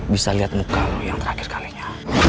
bisa lihat muka yang terakhir kalinya